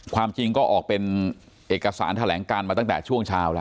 ความจริงก็ออกเป็นเอกสารแถลงการมาตั้งแต่ช่วงเช้าแล้ว